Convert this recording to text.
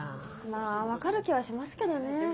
まあ分かる気はしますけどね。